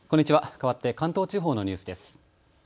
かわって関東地方のニュースです。